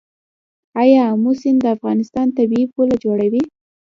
آیا امو سیند د افغانستان طبیعي پوله جوړوي؟